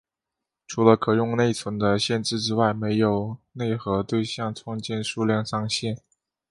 除了可用内存的限制之外没有内核对象创建数量上限。